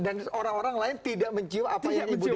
dan orang orang lain tidak mencium apa yang ibu dewi cium